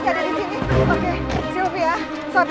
cepet kamu masuk